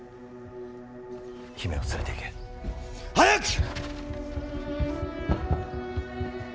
姫を連れていけ。早く！